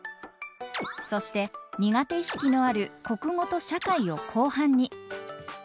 そして苦手意識のある国語と社会を後半に。